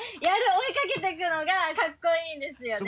追いかけていくのがかっこいいんですよね。